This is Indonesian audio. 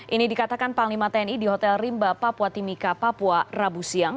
ini dikatakan panglima tni di hotel rimba papua timika papua rabu siang